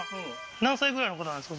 何歳ぐらいの方なんですか？